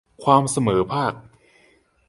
ความเสมอภาค